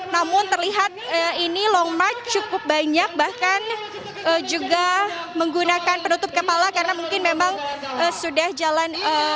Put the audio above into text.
namun terlihat ini long march cukup banyak bahkan juga menggunakan penutup kepala karena mungkin memang sudah jalan